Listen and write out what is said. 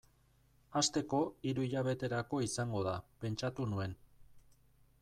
Hasteko, hiru hilabeterako izango da, pentsatu nuen.